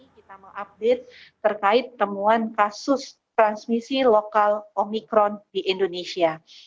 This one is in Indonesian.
kita mengupdate terkait temuan kasus transmisi lokal omikron di indonesia